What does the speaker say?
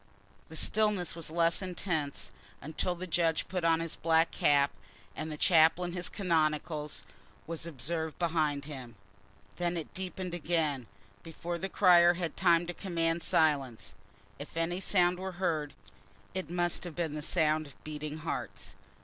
The stillness was less intense until the judge put on his black cap, and the chaplain in his canonicals was observed behind him. Then it deepened again, before the crier had had time to command silence. If any sound were heard, it must have been the sound of beating hearts.